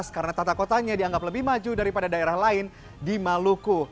karena tata kotanya dianggap lebih maju daripada daerah lain di maluku